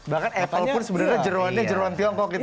bahkan apple pun sebenarnya jeruannya jeruan tiongkok gitu